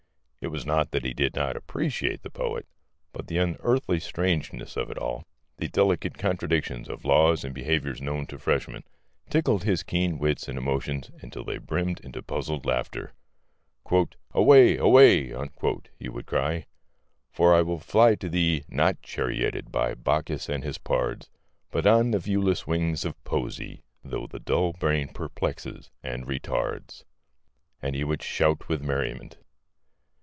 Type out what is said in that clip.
It was not that he did not appreciate the poet, but the unearthly strangeness of it all, the delicate contradiction of laws and behaviours known to freshmen, tickled his keen wits and emotions until they brimmed into puzzled laughter. "Away! Away!" he would cry For I will fly to thee, Not charioted by Bacchus and his pards, But on the viewless wings of Poesy, Though the dull brain perplexes and retards and he would shout with merriment.